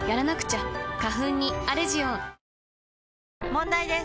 問題です！